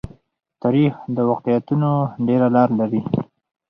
تاریخ د واقعیتونو ډېره لار لري.